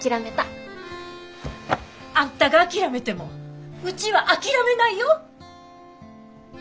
あんたが諦めてもうちは諦めないよ！